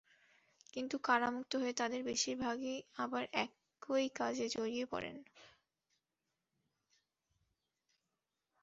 কিন্তু কারামুক্ত হয়ে তাঁদের বেশির ভাগই আবার একই কাজে জড়িয়ে পড়েন।